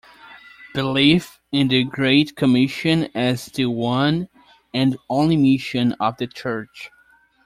'Belief in the Great Commission as the one and only mission of the Church.